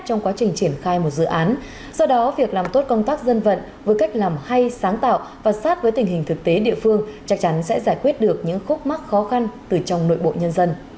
trong quá trình triển khai một dự án do đó việc làm tốt công tác dân vận với cách làm hay sáng tạo và sát với tình hình thực tế địa phương chắc chắn sẽ giải quyết được những khúc mắc khó khăn từ trong nội bộ nhân dân